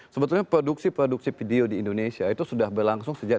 sebetulnya produksi produksi video di indonesia itu sudah berlangsung sejak dua ribu tiga belas